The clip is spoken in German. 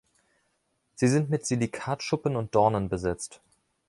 Sie sind mit Silikatschuppen und Dornen besetzt.